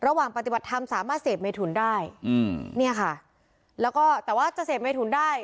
ระหว่างปฏิบัติธรรมสามารถเสพเมทุนได้อืมเนี่ยค่ะแล้วก็แต่ว่าจะเสพเมทุนได้